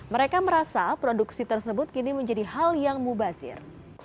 mereka merasa produksi tersebut kini menjadi hal yang mubazir